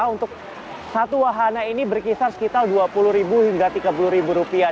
untuk satu wahana ini berkisar sekitar dua puluh hingga rp tiga puluh rupiah